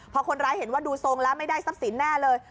พอคนร้ายเห็นว่าดูทรงแล้วไม่ได้ทรัพย์สินแน่เลย